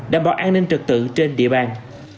đảm bảo an ninh trật tự trên địa bàn